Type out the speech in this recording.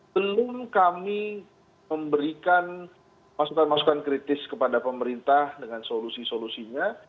belum kami memberikan masukan masukan kritis kepada pemerintah dengan solusi solusinya